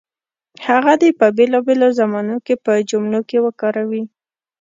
هغه دې په بېلابېلو زمانو کې په جملو کې وکاروي.